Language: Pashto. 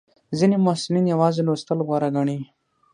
ځینې محصلین یوازې لوستل غوره ګڼي.